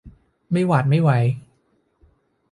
ไม่หวาดไม่ไหว